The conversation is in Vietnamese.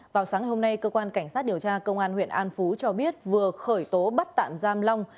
vào sáng hôm nay cơ quan cảnh sát điều tra công an huyện an phú cho biết vừa khởi tố bắt tạm giam long